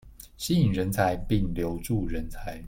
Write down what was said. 吸引人才並留住人才